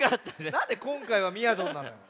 なんでこんかいはみやぞんなのよ？